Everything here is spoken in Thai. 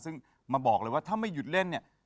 ซึ่งมาบอกเลยว่าถ้าไม่หยุดเล่นเนี่ย